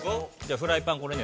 ◆フライパン、これね